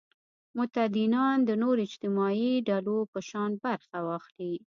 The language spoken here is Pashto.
متدینان د نورو اجتماعي ډلو په شان برخه واخلي.